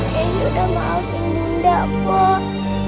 keisha udah maafin bunda pak